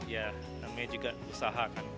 namanya juga usaha kan